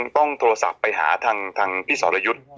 ต้องโทรศัพท์ไปหาทางพี่สรยุทธ์